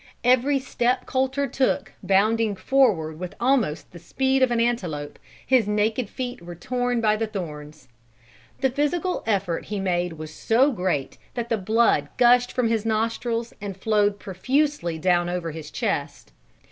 Every step Colter took, bounding forward with almost the speed of an antelope, his naked feet were torn by the thorns. The physical effort he made was so great that the blood gushed from his nostrils, and flowed profusely down over his chest.